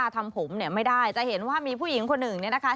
ทำผมเนี่ยไม่ได้จะเห็นว่ามีผู้หญิงคนหนึ่งเนี่ยนะคะ